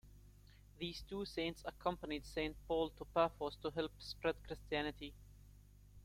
These two saints accompanied Saint Paul to Paphos to help spread Christianity.